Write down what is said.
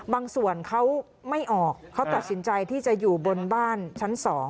บางส่วนเขาไม่ออกเขาตัดสินใจที่จะอยู่บนบ้านชั้น๒